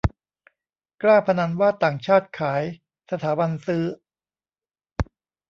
กล้าพนันว่าต่างชาติขาย สถาบันซื้อ